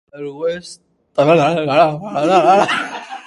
کلام ، عَرُوض ، تغزل ، خیال ، ذوق ، جمال